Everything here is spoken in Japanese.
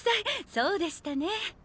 そうでしたね。